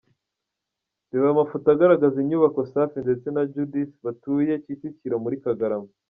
Reba amafoto agaraza inyubako Safi ndetse na Judith batuye Kicukiro muri Kagarama .